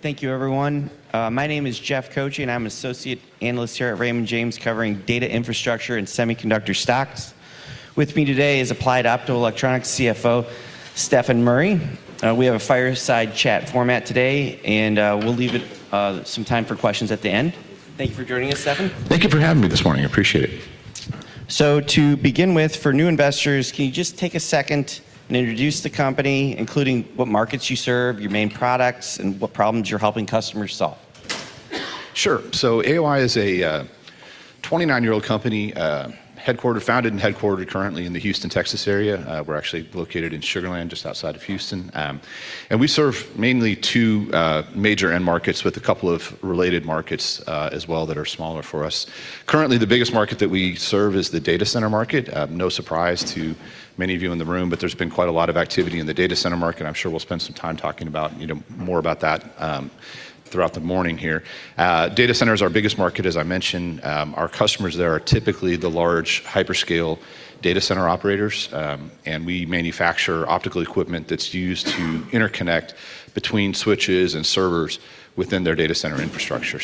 Thank you everyone. My name is Jeff Koche, and I'm an Associate Analyst here at Raymond James covering data infrastructure and semiconductor stocks. With me today is Applied Optoelectronics CFO Stefan Murry. We have a fireside chat format today, and we'll leave it, some time for questions at the end. Thank you for joining us, Stefan. Thank you for having me this morning. I appreciate it. To begin with, for new investors, can you just take a second and introduce the company, including what markets you serve, your main products, and what problems you're helping customers solve? Sure. AOI is a 29-year-old company, founded and headquartered currently in the Houston, Texas area. We're actually located in Sugar Land, just outside of Houston. We serve mainly 2 major end markets with a couple of related markets as well that are smaller for us. Currently, the biggest market that we serve is the data center market. No surprise to many of you in the room, but there's been quite a lot of activity in the data center market. I'm sure we'll spend some time talking about, you know, more about that throughout the morning here. Data center is our biggest market, as I mentioned. Our customers there are typically the large hyperscale data center operators, and we manufacture optical equipment that's used to interconnect between switches and servers within their data center infrastructure.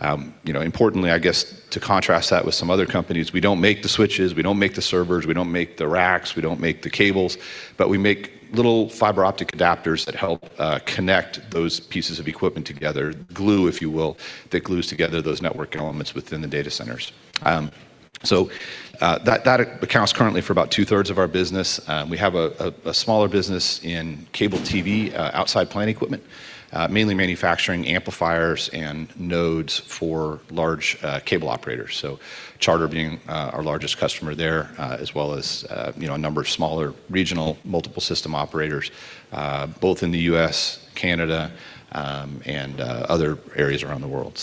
You know, importantly, I guess, to contrast that with some other companies, we don't make the switches, we don't make the servers, we don't make the racks, we don't make the cables, but we make little fiber optic adapters that help connect those pieces of equipment together, glue, if you will, that glues together those network elements within the data centers. That, that accounts currently for about two-thirds of our business. We have a smaller business in cable TV outside plant equipment, mainly manufacturing amplifiers and nodes for large cable operators. Charter being our largest customer there, as well as, you know, a number of smaller regional multiple system operators, both in the U.S., Canada, and other areas around the world.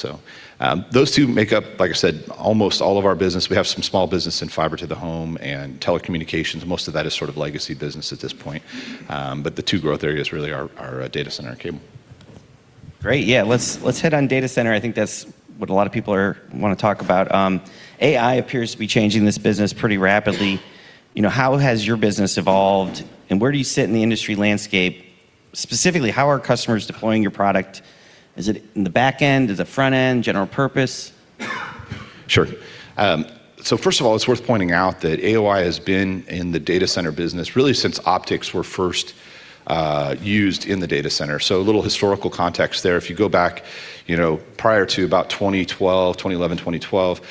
Those two make up, like I said, almost all of our business. We have some small business in fiber to the home and telecommunications. Most of that is sort of legacy business at this point. The two growth areas really are data center and cable. Great. Yeah. Let's hit on data center. I think that's what a lot of people wanna talk about. AI appears to be changing this business pretty rapidly. You know, how has your business evolved, and where do you sit in the industry landscape? Specifically, how are customers deploying your product? Is it in the back end? Is it front end? General purpose? Sure. First of all, it's worth pointing out that AOI has been in the data center business really since optics were first used in the data center. A little historical context there. If you go back, you know, prior to about 2012, 2011, 2012,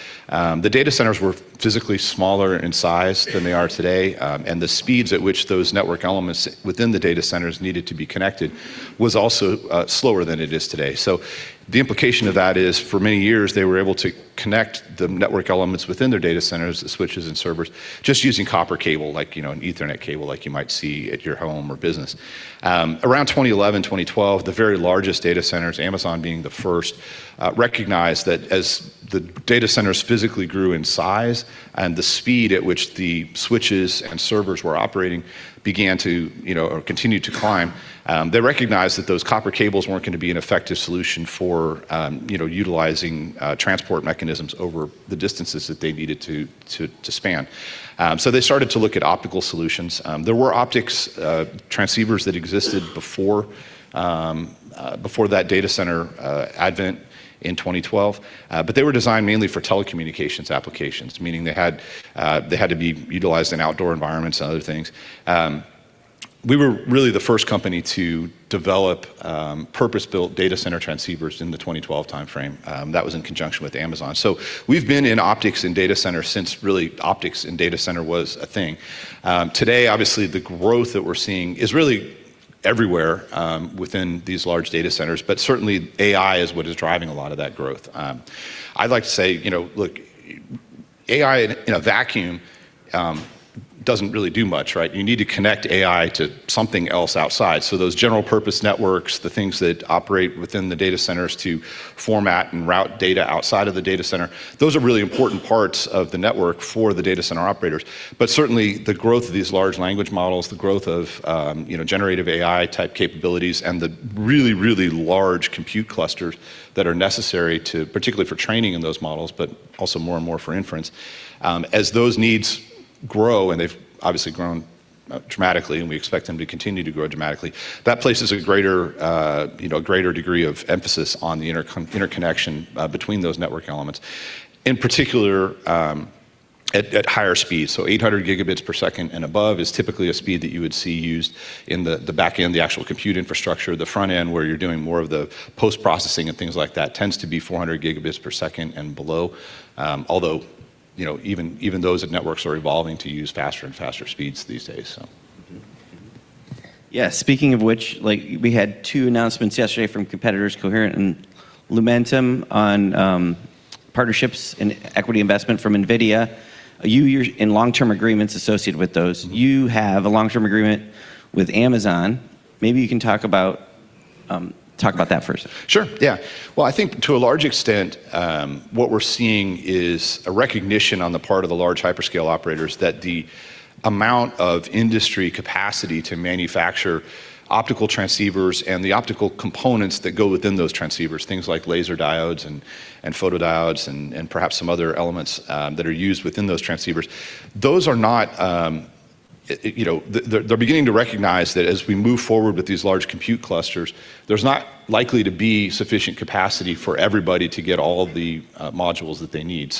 the data centers were physically smaller in size than they are today, and the speeds at which those network elements within the data centers needed to be connected was also slower than it is today. The implication of that is for many years, they were able to connect the network elements within their data centers, the switches and servers, just using copper cable, like, you know, an Ethernet cable like you might see at your home or business. Around 2011, 2012, the very largest data centers, Amazon being the first, recognized that as the data centers physically grew in size and the speed at which the switches and servers were operating began to, you know, or continued to climb, they recognized that those copper cables weren't going to be an effective solution for, you know, utilizing transport mechanisms over the distances that they needed to span. They started to look at optical solutions. There were optics, transceivers that existed before that data center advent in 2012, but they were designed mainly for telecommunications applications, meaning they had, they had to be utilized in outdoor environments and other things. We were really the first company to develop purpose-built data center transceivers in the 2012 timeframe. That was in conjunction with Amazon. We've been in optics and data centers since really optics and data center was a thing. Today, obviously the growth that we're seeing is really everywhere within these large data centers, but certainly AI is what is driving a lot of that growth. I'd like to say, you know, look, AI in a vacuum doesn't really do much, right? You need to connect AI to something else outside. Those general purpose networks, the things that operate within the data centers to format and route data outside of the data center, those are really important parts of the network for the data center operators. Certainly the growth of these large language models, the growth of, you know, generative AI type capabilities and the really, really large compute clusters that are necessary to, particularly for training in those models, but also more and more for inference, as those needs grow, and they've obviously grown dramatically, and we expect them to continue to grow dramatically, that places a greater, you know, a greater degree of emphasis on the interconnection between those network elements, in particular, at higher speeds. 800 gigabits per second and above is typically a speed that you would see used in the back end, the actual compute infrastructure. The front end, where you're doing more of the post-processing and things like that, tends to be 400 gigabits per second and below. Although, you know, even those networks are evolving to use faster and faster speeds these days. Speaking of which, like, we had two announcements yesterday from competitors, Coherent and Lumentum, on partnerships and equity investment from NVIDIA. You're in long-term agreements associated with those. You have a long-term agreement with Amazon. Maybe you can talk about that first. Sure, yeah. Well, I think to a large extent, what we're seeing is a recognition on the part of the large hyperscale operators that the amount of industry capacity to manufacture optical transceivers and the optical components that go within those transceivers, things like laser diodes and photodiodes and perhaps some other elements that are used within those transceivers, those are not. You know, they're beginning to recognize that as we move forward with these large compute clusters, there's not likely to be sufficient capacity for everybody to get all of the modules that they need.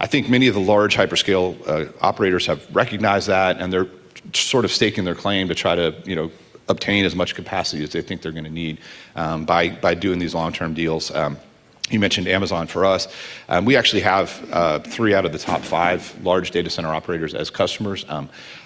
I think many of the large hyperscale operators have recognized that, and they're sort of staking their claim to try to, you know, obtain as much capacity as they think they're gonna need, by doing these long-term deals. You mentioned Amazon for us. We actually have three out of the top five large data center operators as customers.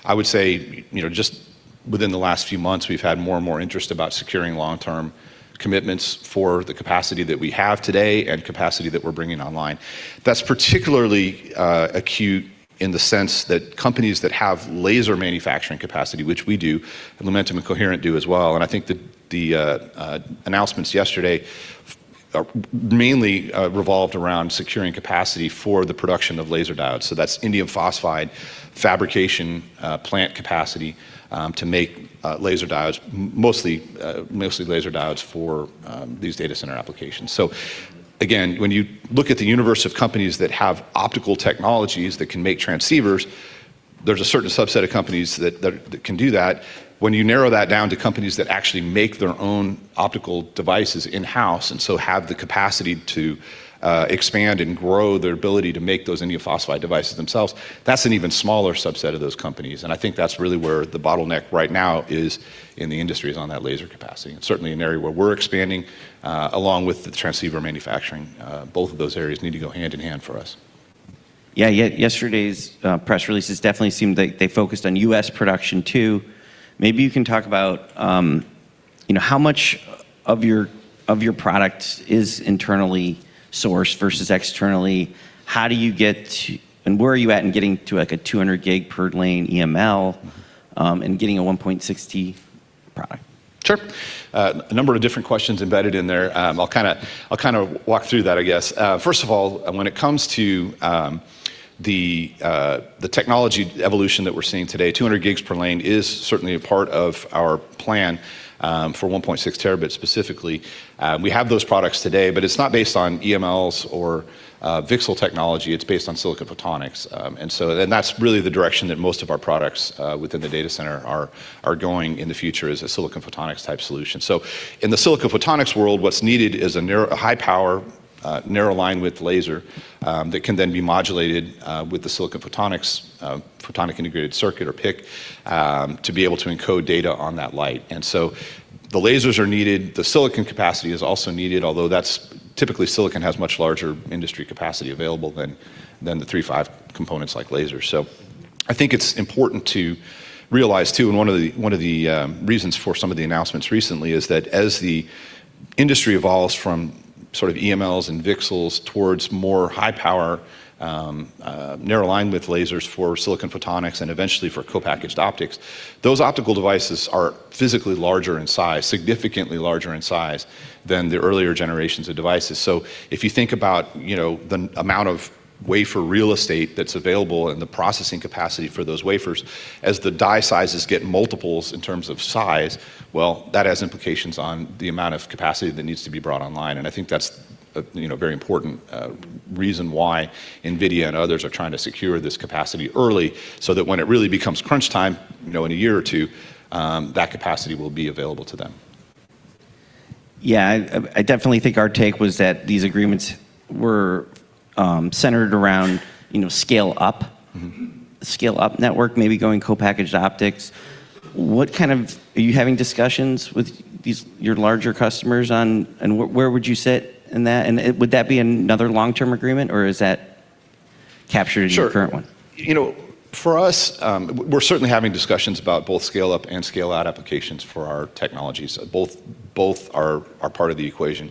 I would say, you know, just within the last few months, we've had more and more interest about securing long-term commitments for the capacity that we have today and capacity that we're bringing online. That's particularly acute in the sense that companies that have laser manufacturing capacity, which we do, and Lumentum and Coherent do as well, and I think that the announcements yesterday mainly revolved around securing capacity for the production of laser diodes. So that's indium phosphide fabrication plant capacity to make laser diodes, mostly laser diodes for these data center applications. Again, when you look at the universe of companies that have optical technologies that can make transceivers, there's a certain subset of companies that can do that. When you narrow that down to companies that actually make their own optical devices in-house and so have the capacity to expand and grow their ability to make those indium phosphide devices themselves, that's an even smaller subset of those companies, and I think that's really where the bottleneck right now is in the industry is on that laser capacity, and certainly an area where we're expanding along with the transceiver manufacturing. Both of those areas need to go hand in hand for us. Yeah. Yesterday's press releases definitely seemed like they focused on U.S. production too. Maybe you can talk about, you know, how much of your, of your product is internally sourced versus externally, how do you get to... And where are you at in getting to, like, a 200G per lane EML, and getting a 1.6T product? Sure. A number of different questions embedded in there. I'll kinda walk through that, I guess. First of all, when it comes to the technology evolution that we're seeing today, 200G per lane is certainly a part of our plan for 1.6T specifically. We have those products today, but it's not based on EMLs or VCSEL technology. It's based on silicon photonics. That's really the direction that most of our products within the data center are going in the future is a silicon photonics type solution. In the silicon photonics world, what's needed is a narrow, a high power, narrow linewidth laser that can then be modulated with the silicon photonics photonic integrated circuit, or PIC, to be able to encode data on that light. The lasers are needed. The silicon capacity is also needed, although typically, silicon has much larger industry capacity available than the III-V components like lasers. I think it's important to realize too, and one of the, one of the reasons for some of the announcements recently, is that as the industry evolves from sort of EMLs and VCSELs towards more high power, narrow linewidth lasers for silicon photonics and eventually for Co-Packaged Optics, those optical devices are physically larger in size, significantly larger in size than the earlier generations of devices. If you think about, you know, the amount of wafer real estate that's available and the processing capacity for those wafers, as the die sizes get multiples in terms of size, well, that has implications on the amount of capacity that needs to be brought online, and I think that's a, you know, very important reason why NVIDIA and others are trying to secure this capacity early, so that when it really becomes crunch time, you know, in a year or 2, that capacity will be available to them. Yeah. I definitely think our take was that these agreements were centered around, you know, scale up. Mm-hmm. Scale up network, maybe going Co-Packaged Optics. Are you having discussions with these, your larger customers on? Where would you sit in that, would that be another long-term agreement, or is that captured-? Sure in your current one? You know, for us, we're certainly having discussions about both scale up and scale out applications for our technologies. Both are part of the equation.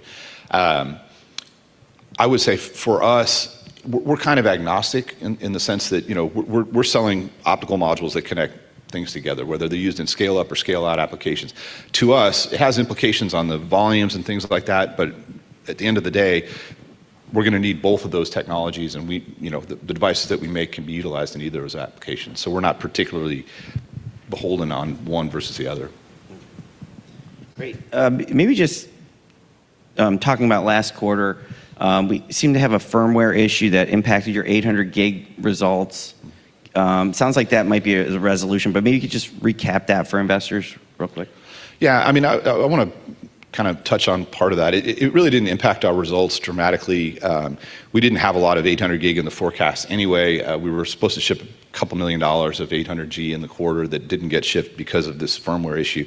I would say for us, we're kind of agnostic in the sense that, you know, we're selling optical modules that connect things together, whether they're used in scale up or scale out applications. To us, it has implications on the volumes and things like that. At the end of the day, we're gonna need both of those technologies. You know, the devices that we make can be utilized in either of those applications. We're not particularly beholden on one versus the other. Great. maybe just talking about last quarter, we seem to have a firmware issue that impacted your 800G results. sounds like that might be the resolution, but maybe you could just recap that for investors real quick. Yeah, I mean, I wanna kind of touch on part of that. It really didn't impact our results dramatically. We didn't have a lot of 800G in the forecast anyway. We were supposed to ship $2 million of 800G in the quarter that didn't get shipped because of this firmware issue.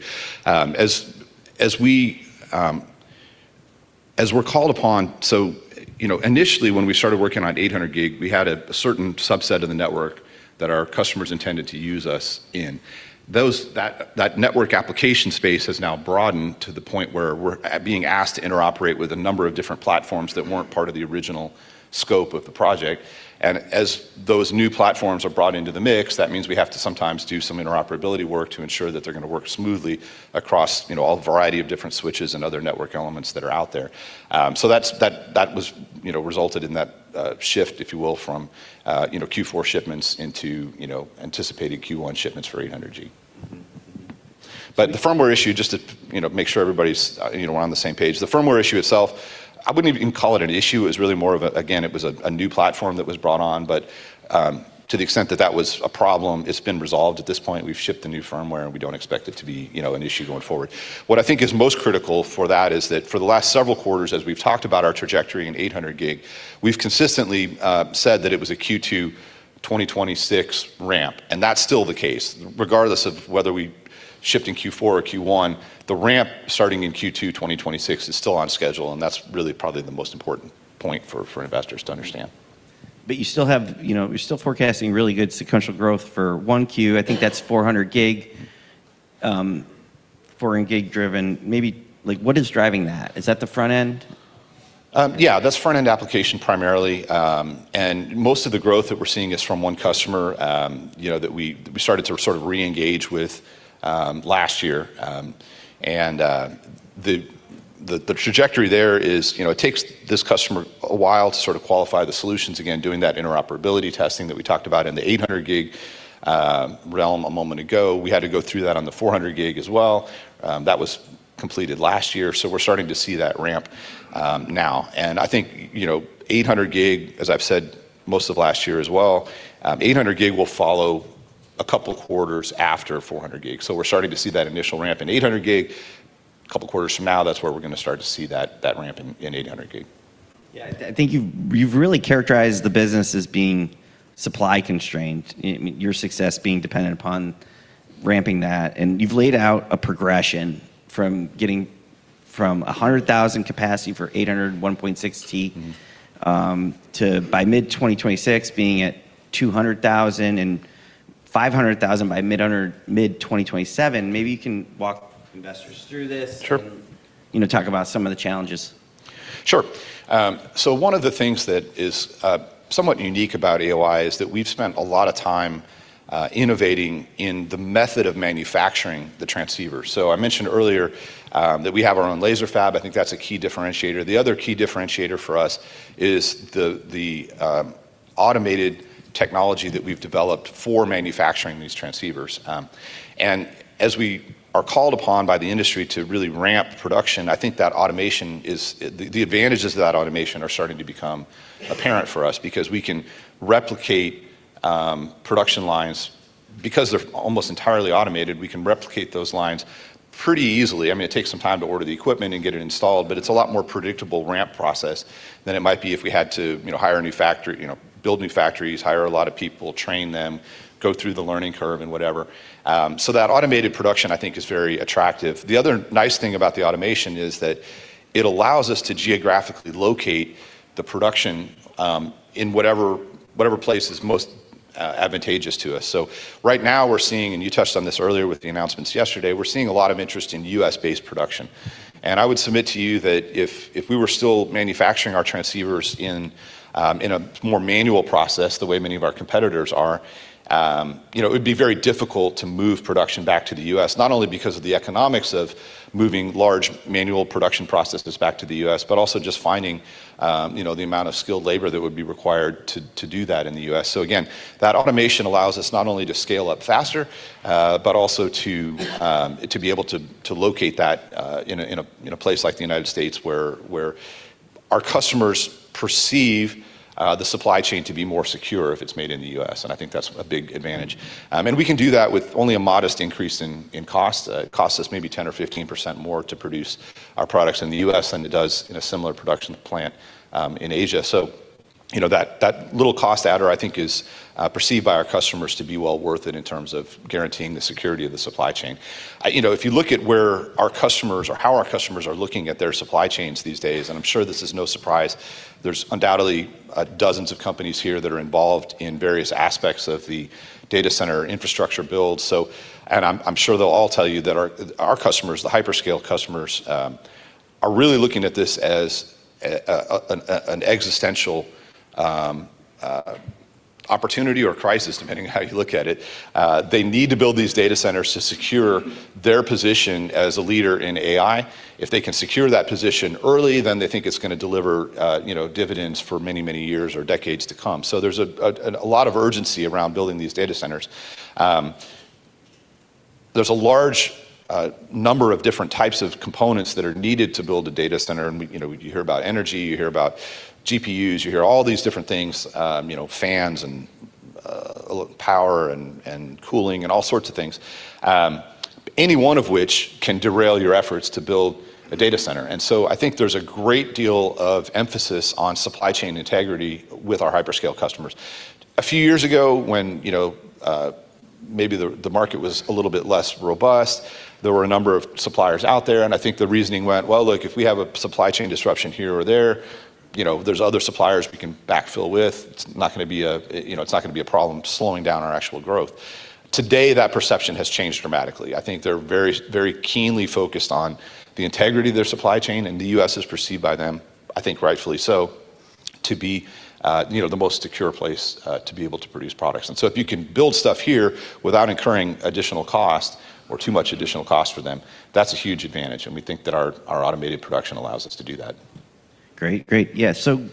As we're called upon. You know, initially, when we started working on 800G, we had a certain subset of the network that our customers intended to use us in. Those, that network application space has now broadened to the point where we're being asked to interoperate with a number of different platforms that weren't part of the original scope of the project. As those new platforms are brought into the mix, that means we have to sometimes do some interoperability work to ensure that they're gonna work smoothly across, you know, all the variety of different switches and other network elements that are out there. That was, you know, resulted in that shift, if you will, from, you know, Q4 shipments into, you know, anticipating Q1 shipments for 800G. The firmware issue, just to, you know, make sure everybody's, you know, we're on the same page. The firmware issue itself, I wouldn't even call it an issue. It was really more of a, again, it was a new platform that was brought on. To the extent that that was a problem, it's been resolved at this point. We've shipped the new firmware, and we don't expect it to be, you know, an issue going forward. What I think is most critical for that is that for the last several quarters, as we've talked about our trajectory in 800G, we've consistently said that it was a Q2 2026 ramp, and that's still the case. Regardless of whether we ship in Q4 or Q1, the ramp starting in Q2 2026 is still on schedule, and that's really probably the most important point for investors to understand. You still have, you know, you're still forecasting really good sequential growth for 1Q. I think that's 400G driven. Maybe, like, what is driving that? Is that the front end? That's front-end application primarily, most of the growth that we're seeing is from 1 customer, you know, that we started to sort of re-engage with, last year. The trajectory there is, you know, it takes this customer a while to sort of qualify the solutions again, doing that interoperability testing that we talked about in the 800G realm a moment ago. We had to go through that on the 400G as well. That was completed last year, we're starting to see that ramp now. I think, you know, 800G, as I've said most of last year as well, 800G will follow a couple quarters after 400G. We're starting to see that initial ramp in 800G. A couple quarters from now, that's where we're gonna start to see that ramp in 800 gig. Yeah. I think you've really characterized the business as being supply constrained. I mean, your success being dependent upon ramping that, and you've laid out a progression from getting from 100,000 capacity for 800G, 1.6T. Mm-hmm. to by mid-2026 being at 200,000 and 500,000 by mid-2027. Maybe you can walk investors through this? Sure. You know, talk about some of the challenges. Sure. One of the things that is somewhat unique about AOI is that we've spent a lot of time innovating in the method of manufacturing the transceiver. I mentioned earlier that we have our own laser fab. I think that's a key differentiator. The other key differentiator for us is the automated technology that we've developed for manufacturing these transceivers. As we are called upon by the industry to really ramp production, I think that automation is. The advantages to that automation are starting to become apparent for us because we can replicate production lines. Because they're almost entirely automated, we can replicate those lines pretty easily. I mean, it takes some time to order the equipment and get it installed, but it's a lot more predictable ramp process than it might be if we had to, you know, hire a new factory, you know, build new factories, hire a lot of people, train them, go through the learning curve and whatever. That automated production I think is very attractive. The other nice thing about the automation is that it allows us to geographically locate the production in whatever place is most advantageous to us. Right now we're seeing, and you touched on this earlier with the announcements yesterday, we're seeing a lot of interest in U.S. based production. I would submit to you that if we were still manufacturing our transceivers in a more manual process the way many of our competitors are, you know, it would be very difficult to move production back to the U.S., not only because of the economics of moving large manual production processes back to the U.S., but also just finding, you know, the amount of skilled labor that would be required to do that in the U.S. Again, that automation allows us not only to scale up faster, but also to be able to locate that in a place like the United States where our customers perceive, the supply chain to be more secure if it's made in the U.S., and I think that's a big advantage. We can do that with only a modest increase in cost. It costs us maybe 10% or 15% more to produce our products in the U.S. than it does in a similar production plant in Asia. You know, that little cost adder I think is perceived by our customers to be well worth it in terms of guaranteeing the security of the supply chain. You know, if you look at where our customers or how our customers are looking at their supply chains these days, and I'm sure this is no surprise, there's undoubtedly dozens of companies here that are involved in various aspects of the data center infrastructure build. I'm sure they'll all tell you that our customers, the hyperscale customers, are really looking at this as an existential opportunity or crisis, depending on how you look at it. They need to build these data centers to secure their position as a leader in AI. If they can secure that position early, then they think it's gonna deliver, you know, dividends for many, many years or decades to come. There's a lot of urgency around building these data centers. There's a large number of different types of components that are needed to build a data center. You know, you hear about energy, you hear about GPUs, you hear all these different things, you know, fans and power and cooling and all sorts of things. Any one of which can derail your efforts to build a data center. I think there's a great deal of emphasis on supply chain integrity with our hyperscale customers. A few years ago when, you know, maybe the market was a little bit less robust, there were a number of suppliers out there, and I think the reasoning went, "Well, look, if we have a supply chain disruption here or there, you know, there's other suppliers we can backfill with. It's not gonna be a, you know, it's not gonna be a problem slowing down our actual growth." Today, that perception has changed dramatically. I think they're very, very keenly focused on the integrity of their supply chain, and the U.S. is perceived by them, I think rightfully so, to be, you know, the most secure place to be able to produce products. If you can build stuff here without incurring additional cost or too much additional cost for them, that's a huge advantage, and we think that our automated production allows us to do that. Great, great.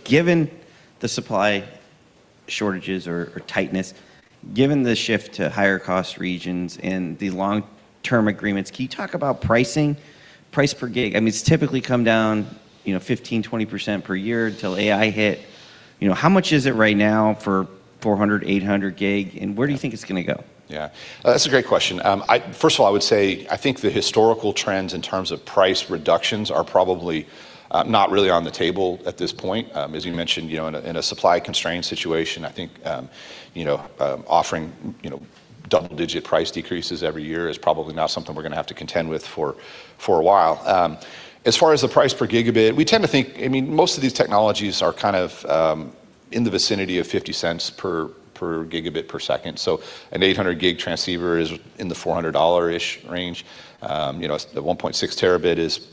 Given the supply shortages or tightness, given the shift to higher cost regions and the long-term agreements, can you talk about pricing, price per gig? I mean, it's typically come down, you know, 15%-20% per year until AI hit. You know, how much is it right now for 400G, 800G, and where do you think it's gonna go? That's a great question. First of all, I would say, I think the historical trends in terms of price reductions are probably not really on the table at this point. As you mentioned, you know, in a, in a supply constraint situation, I think, you know, offering, you know, double-digit price decreases every year is probably not something we're gonna have to contend with for a while. As far as the price per gigabit, we tend to think. I mean, most of these technologies are kind of in the vicinity of $0.50 per gigabit per second. An 800G transceiver is in the $400-ish range, you know, the 1.6 terabit is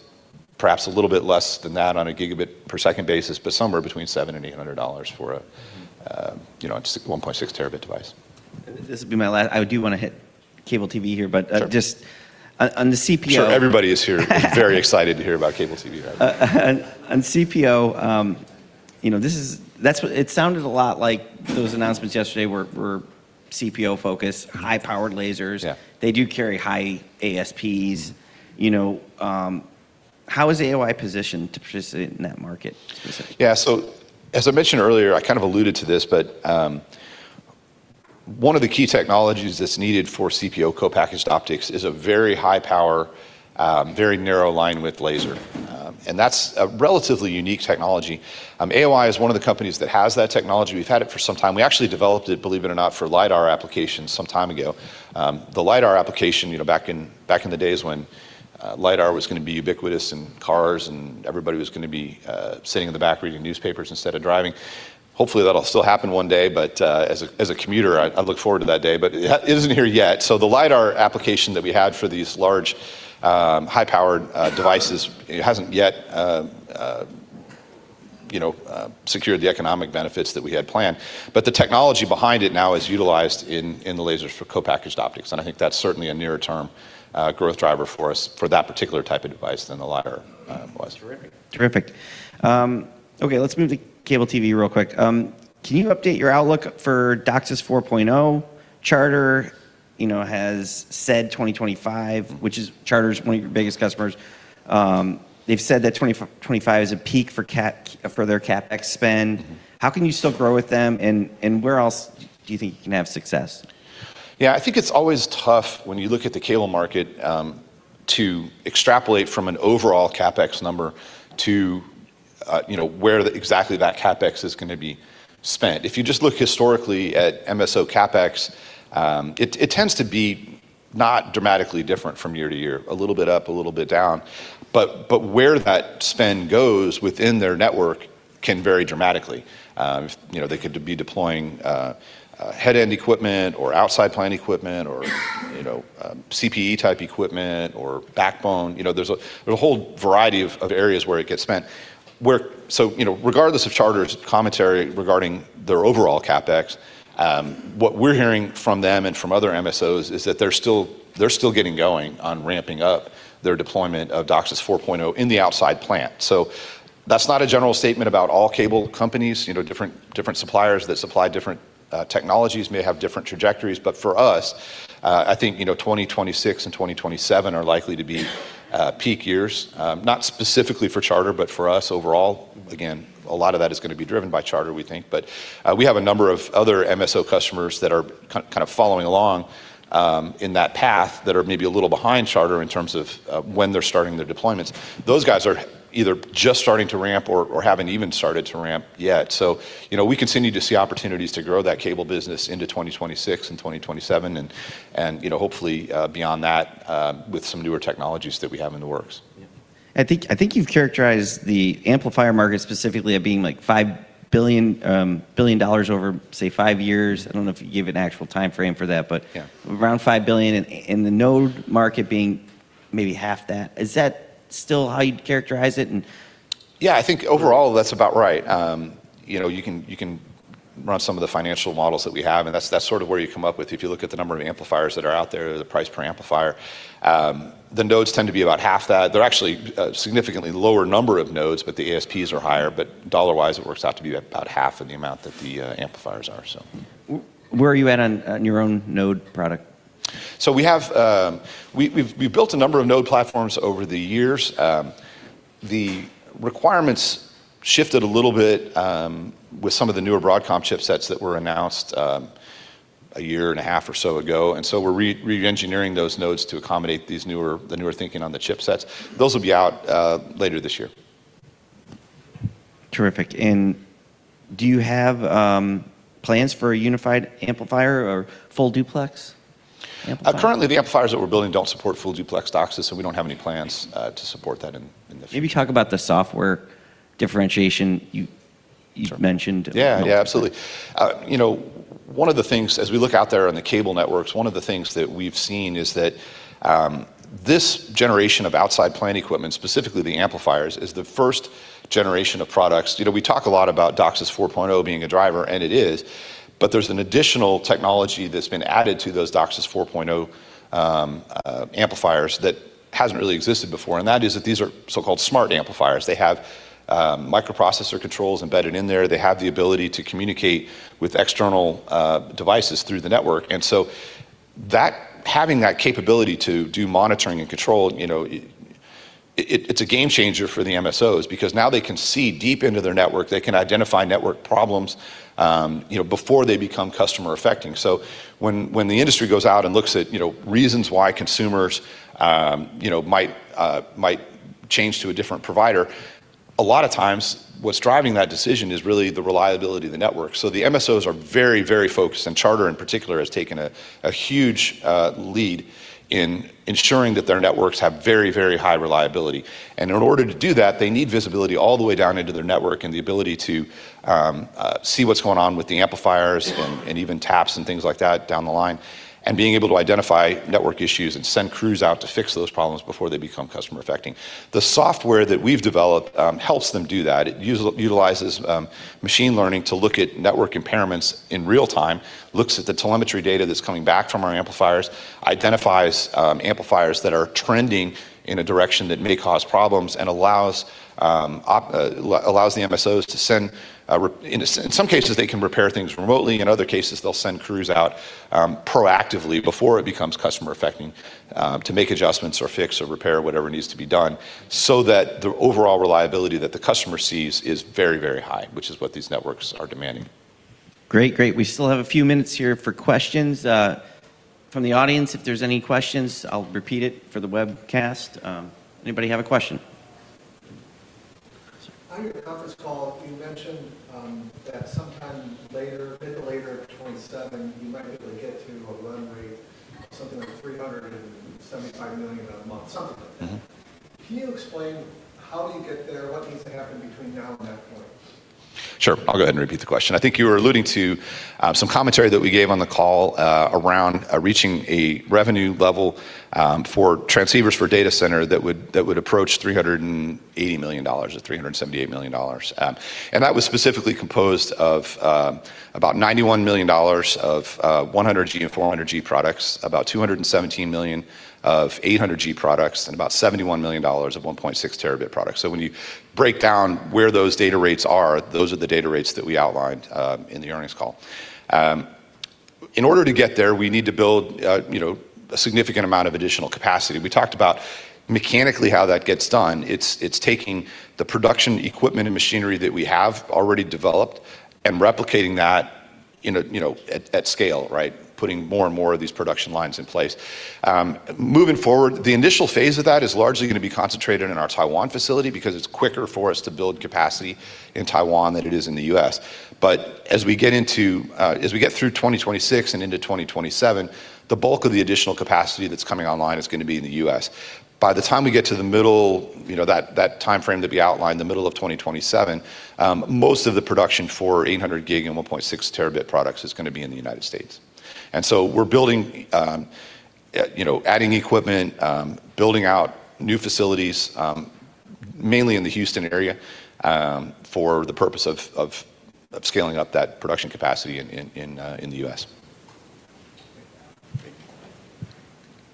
perhaps a little bit less than that on a gigabit per second basis, but somewhere between $700-$800 for a, you know, just 1.6 terabit device. This will be my last. I do wanna hit cable TV here. Sure. just on the CPO- Sure. Everybody is here very excited to hear about cable TV. On CPO, you know, It sounded a lot like those announcements yesterday were CPO-focused, high-powered lasers. Yeah. They do carry high ASPs. You know, how is AOI positioned to participate in that market specifically? As I mentioned earlier, I kind of alluded to this, but one of the key technologies that's needed for CPO, Co-Packaged Optics, is a very high power, very narrow linewidth laser, and that's a relatively unique technology. AOI is one of the companies that has that technology. We've had it for some time. We actually developed it, believe it or not, for LiDAR applications some time ago. The LiDAR application, you know, back in, back in the days when LiDAR was gonna be ubiquitous in cars and everybody was gonna be sitting in the back reading newspapers instead of driving. Hopefully, that'll still happen one day, but as a commuter, I look forward to that day. It isn't here yet. The LiDAR application that we had for these large, high-powered devices, it hasn't yet, you know, secured the economic benefits that we had planned. The technology behind it now is utilized in the lasers for Co-Packaged Optics, and I think that's certainly a nearer term growth driver for us for that particular type of device than the LiDAR was. Terrific. Terrific. Okay, let's move to cable TV real quick. Can you update your outlook for DOCSIS 4.0? Charter, you know, has said 2025, which is, Charter's one of your biggest customers. They've said that 2025 is a peak for CapEx, for their CapEx spend. How can you still grow with them, and where else do you think you can have success? Yeah. I think it's always tough when you look at the cable market, to extrapolate from an overall CapEx number to, you know, where exactly that CapEx is gonna be spent. If you just look historically at MSO CapEx, it tends to be not dramatically different from year to year, a little bit up, a little bit down. Where that spend goes within their network can vary dramatically. You know, they could be deploying head-end equipment or outside plant equipment or, you know, CPE-type equipment or backbone. You know, there's a whole variety of areas where it gets spent. You know, regardless of Charter's commentary regarding their overall CapEx, what we're hearing from them and from other MSOs is that they're still getting going on ramping up their deployment of DOCSIS 4.0 in the outside plant. That's not a general statement about all cable companies. You know, different suppliers that supply different technologies may have different trajectories. For us, I think, you know, 2026 and 2027 are likely to be peak years, not specifically for Charter, but for us overall. Again, a lot of that is gonna be driven by Charter, we think. We have a number of other MSO customers that are kind of following along in that path that are maybe a little behind Charter in terms of when they're starting their deployments. Those guys are either just starting to ramp or haven't even started to ramp yet. You know, we continue to see opportunities to grow that cable business into 2026 and 2027 and, you know, hopefully, beyond that, with some newer technologies that we have in the works. Yeah. I think you've characterized the amplifier market specifically of being, like, $5 billion over, say, 5 years. I don't know if you gave an actual timeframe for that, but- Yeah Around $5 billion, and the node market being maybe half that. Is that still how you'd characterize it? Yeah, I think overall that's about right. You know, you can run some of the financial models that we have, and that's sort of where you come up with. If you look at the number of amplifiers that are out there, the price per amplifier, the nodes tend to be about half that. They're actually a significantly lower number of nodes, but the ASPs are higher. Dollar-wise, it works out to be about half of the amount that the amplifiers are, so. Where are you at on your own node product? We have, we built a number of node platforms over the years. The requirements shifted a little bit, with some of the newer Broadcom chipsets that were announced, a year and a half or so ago. We're re-engineering those nodes to accommodate these newer, the newer thinking on the chipsets. Those will be out later this year. Terrific. Do you have plans for a unified amplifier or full duplex amplifier? Currently the amplifiers that we're building don't support Full Duplex DOCSIS, we don't have any plans to support that in the future. Maybe talk about the software differentiation you mentioned. Sure. Yeah, yeah, absolutely. You know, one of the things, as we look out there on the cable networks, one of the things that we've seen is that This generation of outside plant equipment, specifically the amplifiers, is the first generation of products. You know, we talk a lot about DOCSIS 4.0 being a driver, and it is, but there's an additional technology that's been added to those DOCSIS 4.0 amplifiers that hasn't really existed before, and that is that these are so-called smart amplifiers. They have microprocessor controls embedded in there. They have the ability to communicate with external devices through the network. Having that capability to do monitoring and control, you know, it's a game changer for the MSOs because now they can see deep into their network. They can identify network problems, you know, before they become customer-affecting. When the industry goes out and looks at, you know, reasons why consumers, you know, might change to a different provider, a lot of times what's driving that decision is really the reliability of the network. The MSOs are very focused, and Charter in particular has taken a huge lead in ensuring that their networks have very high reliability. In order to do that, they need visibility all the way down into their network and the ability to see what's going on with the amplifiers and even taps and things like that down the line, and being able to identify network issues and send crews out to fix those problems before they become customer-affecting. The software that we've developed, helps them do that. It utilizes machine learning to look at network impairments in real time, looks at the telemetry data that's coming back from our amplifiers, identifies amplifiers that are trending in a direction that may cause problems and allows the MSOs to send in some cases, they can repair things remotely. In other cases, they'll send crews out proactively before it becomes customer-affecting to make adjustments or fix or repair whatever needs to be done so that the overall reliability that the customer sees is very, very high, which is what these networks are demanding. Great. Great. We still have a few minutes here for questions from the audience. If there's any questions, I'll repeat it for the webcast. Anybody have a question? On your conference call, you mentioned that sometime later, bit later in 2027, you might be able to get to a run rate of something like $375 million a month, something like that. Mm-hmm. Can you explain how you get there? What needs to happen between now and that point? Sure. I'll go ahead and repeat the question. I think you were alluding to some commentary that we gave on the call around reaching a revenue level for transceivers for data center that would, that would approach $380 million or $378 million. And that was specifically composed of about $91 million of 100G and 400G products, about $217 million of 800G products, and about $71 million of 1.6T products. When you break down where those data rates are, those are the data rates that we outlined in the earnings call. In order to get there, we need to build, you know, a significant amount of additional capacity. We talked about mechanically how that gets done. It's taking the production equipment and machinery that we have already developed and replicating that in a, you know, at scale, right? Putting more and more of these production lines in place. Moving forward, the initial phase of that is largely gonna be concentrated in our Taiwan facility because it's quicker for us to build capacity in Taiwan than it is in the U.S. As we get into, as we get through 2026 and into 2027, the bulk of the additional capacity that's coming online is gonna be in the U.S. By the time we get to the middle, you know, that timeframe that we outlined, the middle of 2027, most of the production for 800G and 1.6T products is gonna be in the United States. we're building, you know, adding equipment, building out new facilities, mainly in the Houston area, for the purpose of scaling up that production capacity in the U.S.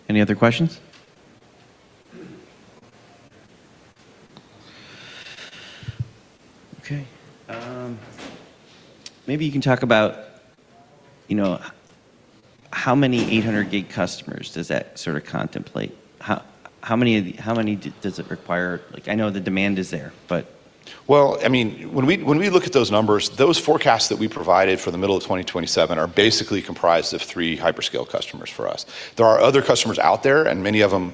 Any other questions? Okay. Maybe you can talk about, you know, how many 800G customers does that sort of contemplate? How many of the how many does it require? Like, I know the demand is there, but. Well, I mean, when we, when we look at those numbers, those forecasts that we provided for the middle of 2027 are basically comprised of 3 hyperscale customers for us. There are other customers out there, and many of them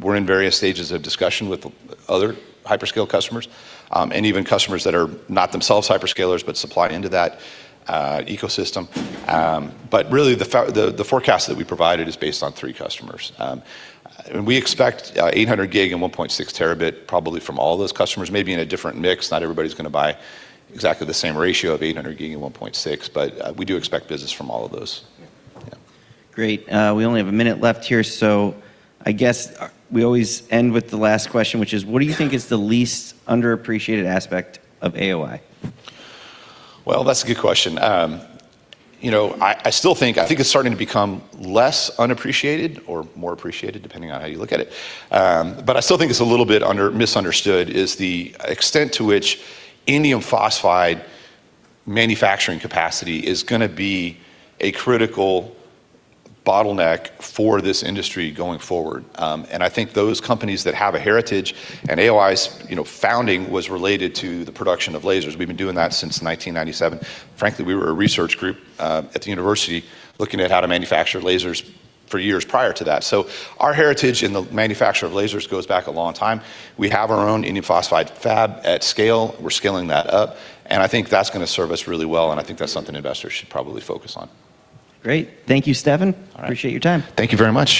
we're in various stages of discussion with other hyperscale customers, and even customers that are not themselves hyperscalers but supply into that ecosystem. Really the forecast that we provided is based on 3 customers. We expect 800G and 1.6T probably from all those customers, maybe in a different mix. Not everybody's gonna buy exactly the same ratio of 800G and 1.6T, but we do expect business from all of those. Yeah. Yeah. Great. We only have a minute left here, so I guess we always end with the last question, which is, what do you think is the least underappreciated aspect of AOI? Well, that's a good question. you know, I think it's starting to become less unappreciated or more appreciated, depending on how you look at it. I still think it's a little bit misunderstood is the extent to which indium phosphide manufacturing capacity is gonna be a critical bottleneck for this industry going forward. I think those companies that have a heritage, and AOI's, you know, founding was related to the production of lasers. We've been doing that since 1997. Frankly, we were a research group, at the university looking at how to manufacture lasers for years prior to that. So our heritage in the manufacture of lasers goes back a long time. We have our own indium phosphide fab at scale. We're scaling that up, and I think that's gonna serve us really well, and I think that's something investors should probably focus on. Great. Thank you, Stefan. All right. Appreciate your time. Thank you very much.